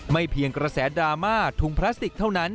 เพียงกระแสดราม่าถุงพลาสติกเท่านั้น